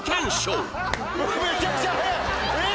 めちゃくちゃ速い！